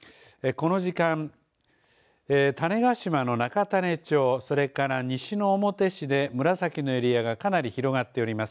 この時間種子島の中種子町、それから西之表市で紫のエリアがかなり広がっております。